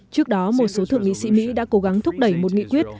trước đó một số thượng nghị sĩ mỹ đã cố gắng thúc đẩy một nghị quyết